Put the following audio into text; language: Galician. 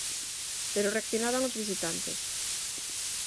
Pero reaccionaban os visitantes.